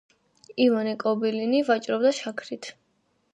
ივანე კობილინი ვაჭრობდა შაქრით.